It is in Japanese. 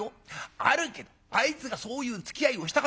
あるけどあいつがそういうつきあいをしたかってえの。